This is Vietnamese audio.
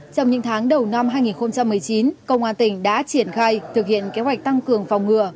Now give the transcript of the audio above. trong những tháng đầu năm hai nghìn một mươi chín công an tỉnh đã triển khai thực hiện kế hoạch tăng cường phòng ngừa